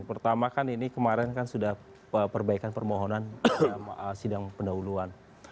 pertama kan ini kemarin kan sudah perbaikan permohonan sidang pendahuluan